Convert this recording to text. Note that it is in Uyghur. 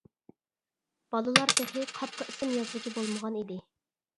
بالىلار تېخى قاپقا ئىسىم يازغۇچى بولمىغان ئىدى.